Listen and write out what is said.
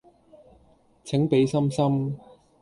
請俾心心